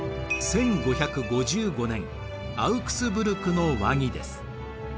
１５５５年アウクスブルクの和議です。